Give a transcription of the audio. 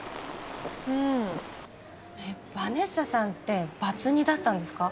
うんえっヴァネッサさんってバツ２だったんですか？